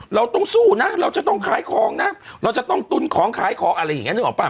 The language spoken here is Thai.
เราต้องสู้นะเราจะต้องขายของนะเราจะต้องตุ้นของขายของอะไรอย่างนี้นึกออกป่